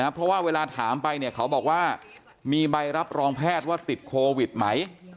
เพราะว่าเวลาถามไปเนี่ยเขาบอกว่ามีใบรับรองแพทย์ว่าติดโควิดไหม